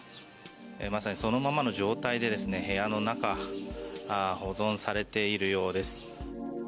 まさにそのままの状態で部屋の中保存されているようです。